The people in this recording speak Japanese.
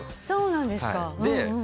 そうなんですか。